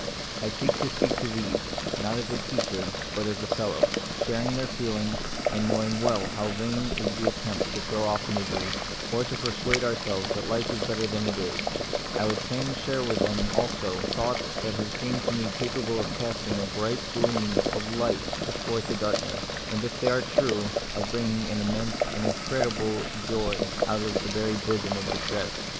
I seek to speak to these ; not as a teacher, but as a fellow. Sharing their feel ing, and knowing well how vain is the attempt to throw off misery, or to persuade ourselves that life is better than it is, I would fain share with them also some thoughts that have seemed to me capable of casting a bright gleam of light athwart the darkness, and, if they are true, of bringing an immense, an incredible joy out of the very bosom of distress.